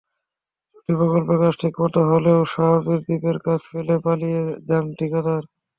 দুটি প্রকল্পের কাজ ঠিকমতো হলেও শাহপরীর দ্বীপের কাজ ফেলে পালিয়ে যান ঠিকাদার।